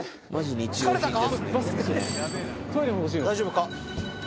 大丈夫か？